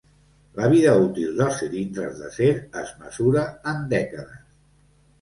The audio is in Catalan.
La vida útil dels cilindres d'acer es mesura en dècades.